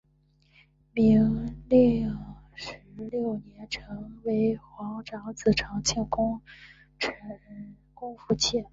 明命十六年成为皇长子长庆公府妾。